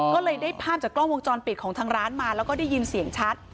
ก็เลยได้ภาพจากกล้องวงจรปิดของทางร้านมาแล้วก็ได้ยินเสียงชัด